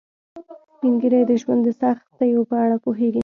سپین ږیری د ژوند د سختیو په اړه پوهیږي